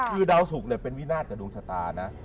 คือดาวสุกเป็นวินาศกับดวงชะตานะ